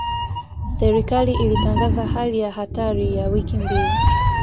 Serikali ilitangaza hali ya hatari ya wiki mbili.